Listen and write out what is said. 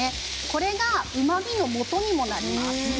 これがうまみのもとにもなります。